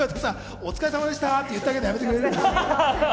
お疲れさまでしたって言ってあげるのやめてくれる？